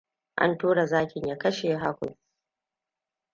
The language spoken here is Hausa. An tura zakin ya kashe Hercules.